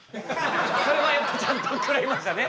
それはやっぱちゃんと怒られましたね。